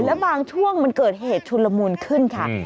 แล้วบางช่วงมันเกิดเหตุชุนละมุนขึ้นค่ะ